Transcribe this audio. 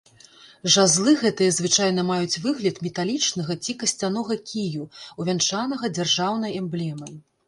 Жазлы гэтыя звычайна маюць выгляд металічнага ці касцянога кію, увянчанага дзяржаўнай эмблемай.